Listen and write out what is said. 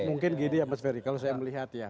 mungkin gini ya mas ferry kalau saya melihat ya